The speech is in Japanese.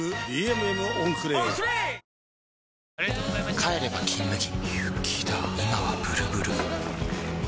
帰れば「金麦」